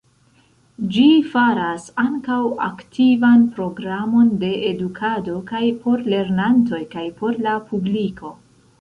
Ĝi faras ankaŭ aktivan programon de edukado kaj por lernantoj kaj por la publiko.